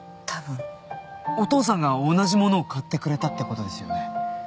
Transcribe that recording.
お父さんが同じ物を買ってくれたってことですよね。